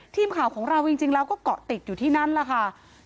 ทีมข่าวของเราจริงแล้วก็เกาะติดอยู่ที่นั่นแหละค่ะ